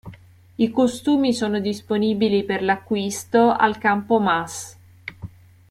I costumi sono disponibili per l'acquisto al campo mas.